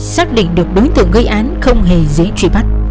xác định được đối tượng gây án không hề dễ truy bắt